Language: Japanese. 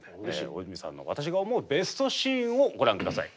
大泉さんの私が思うベストシーンをご覧下さい。